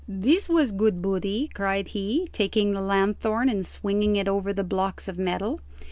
"This was good booty!" cried he, taking the lanthorn and swinging it over the blocks of metal.